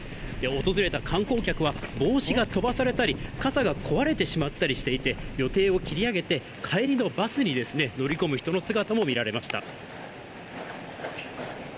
訪れた観光客は、帽子が飛ばされたり、傘が壊れてしまったりしていて、予定を切り上げて、帰りのバスに乗り込む人の姿も見られました。